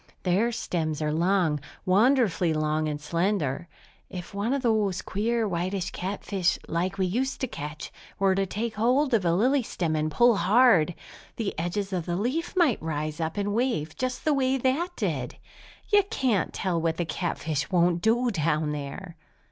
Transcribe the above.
Their stems are long, wonderfully long and slender. If one of those queer, whitish catfish, like we used to catch, were to take hold of a lily stem and pull hard, the edges of the leaf might rise up and wave just the way that did! You can't tell what the catfish won't do down there!"